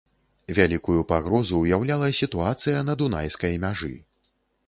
Вялікую пагрозу ўяўляла сітуацыя на дунайскай мяжы.